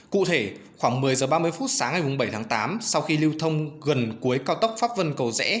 cụ thể khoảng một mươi h ba mươi phút sáng ngày bảy tháng tám sau khi lưu thông gần cuối cao tốc pháp vân cầu rẽ